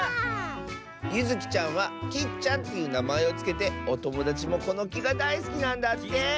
ゆずきちゃんは「きっちゃん」っていうなまえをつけておともだちもこのきがだいすきなんだって！